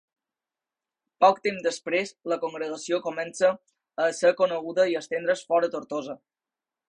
Poc temps després, la congregació comença a ésser coneguda i a estendre's fora Tortosa.